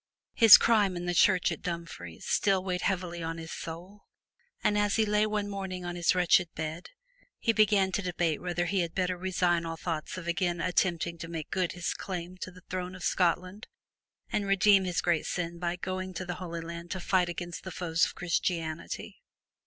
His crime in the church at Dumfries still weighed heavily on his soul and as he lay one morning on his wretched bed, he began to debate whether he had not better resign all thoughts of again attempting to make good his claim to the throne of Scotland, and redeem his great sin by going to the Holy Land to fight against the foes of Christianity.